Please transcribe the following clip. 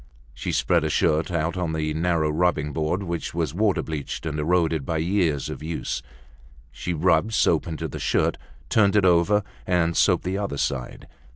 She spread a shirt out on the narrow rubbing board which was water bleached and eroded by years of use. She rubbed soap into the shirt, turned it over, and soaped the other side.